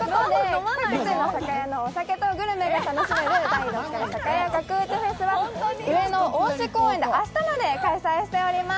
お酒とグルメが楽しめる第６回酒屋角打ちフェスは上野恩賜公園で明日まで開催しております。